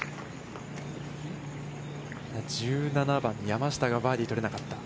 １７番、山下がバーディー取れなかった。